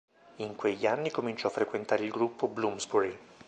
In quegli anni cominciò a frequentare il Gruppo Bloomsbury.